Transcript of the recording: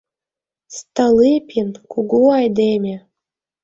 — Столыпин — кугу айдеме.